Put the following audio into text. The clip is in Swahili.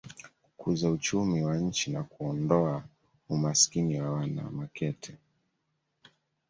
kukuza uchumi wa nchi na kuondoa umasikini wa wana Makete